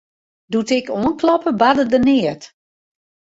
Doe't ik oankloppe, barde der neat.